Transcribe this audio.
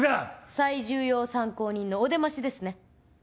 最重要参考人のお出ましですね。